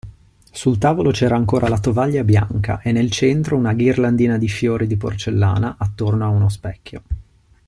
Sul tavolo c'era ancora la tovaglia bianca e nel centro una ghirlandina di fiori di porcellana attorno a uno specchio.